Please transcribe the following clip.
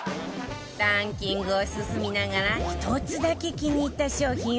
ランキングを進みながら１つだけ気に入った商品を購入